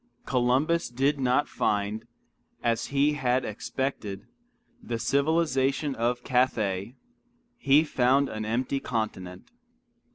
Columbus did not find, as he had expected, the civilization of Cathay; he found an empty continent.